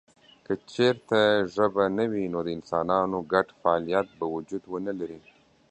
که چېرته ژبه نه وي نو د انسانانو ګډ فعالیت به وجود ونه لري.